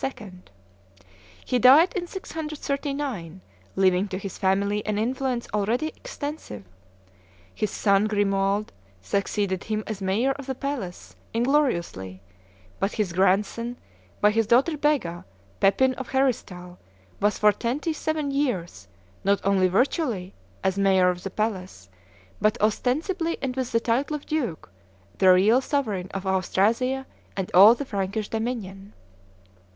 He died in 639, leaving to his family an influence already extensive. His son Grimoald succeeded him as mayor of the palace, ingloriously; but his grandson, by his daughter Bega, Pepin of Heristal, was for twenty seven years not only virtually, as mayor of the palace, but ostensibly and with the title of duke, the real sovereign of Austrasia and all the Frankish dominion.